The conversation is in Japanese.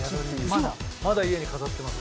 まだ家に飾ってます。